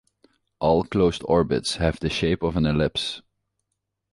All closed orbits have the shape of an ellipse.